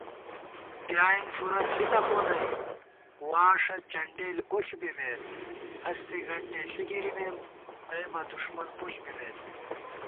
ڈیایېن فُورہ تھِتہ خو نئ واݭہ چنڈیل اُݪ بِمېت * ہستےگنٹےݪی گِرِمېم نئبہ دُݭمن پُݪ بِمېت